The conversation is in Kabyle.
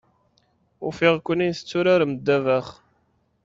Ufiɣ-ken-in tetturarem ddabax.